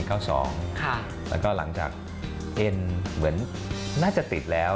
แล้วก็หลังจากเอ็นเหมือนน่าจะติดแล้ว